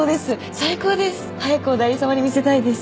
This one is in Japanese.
最高です早くおだいり様に見せたいです